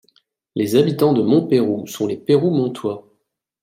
Les habitants de Montpeyroux sont les Peyroumontois.